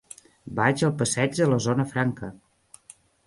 Vaig al passeig de la Zona Franca.